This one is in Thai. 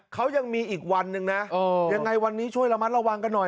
เขายังมีอีกวันหนึ่งนะยังไงวันนี้ช่วยระมัดระวังกันหน่อย